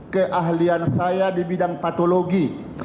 keahlianku di bidang patologi